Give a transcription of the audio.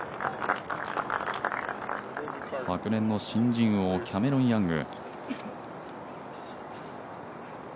昨年の新人王、キャメロン・ヤング。